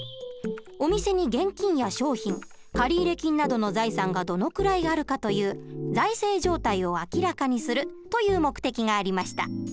お店に現金や商品借入金などの財産がどのくらいあるかという財政状態を明らかにするという目的がありました。